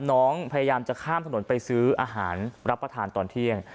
น้องพยายามจะข้ามถนนไปซื้ออาหารรับประทานตอนเที่ยง